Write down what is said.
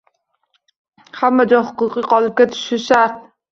Hamma joy huquqiy qolipga tushishi shart.